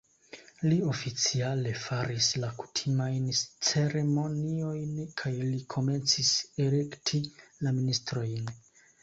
Li oficiale faris la kutimajn ceremoniojn kaj li komencis elekti la ministrojn.